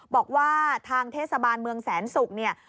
บอกว่าทางเทศบาลเมืองแสนศุกร์เนี่ย